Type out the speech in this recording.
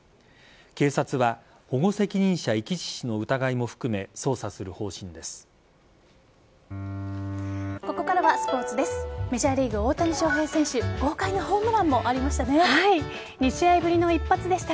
警察は保護責任者遺棄致死の疑いも含め捜査する方針です。